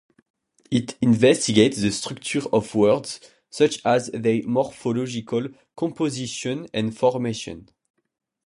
It investigates the structure of words, such as their morphological composition and formation.